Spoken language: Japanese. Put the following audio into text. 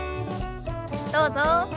どうぞ。